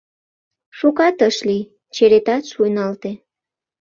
Шукат ыш лий, черетат шуйналте.